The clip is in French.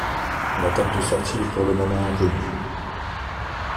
La date de sortie est pour le moment inconnue.